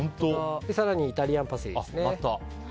更にイタリアンパセリですね。